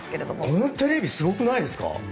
このテレビすごくないですか？